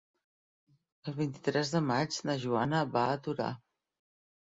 El vint-i-tres de maig na Joana va a Torà.